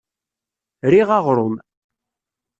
Riɣ aɣrum.